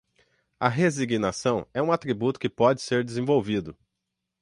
A resignação é um atributo que pode ser desenvolvido